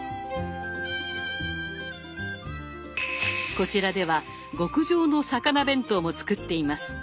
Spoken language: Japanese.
こちらでは極上の魚弁当も作っています。